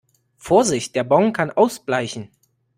Vorsicht, der Bon kann ausbleichen!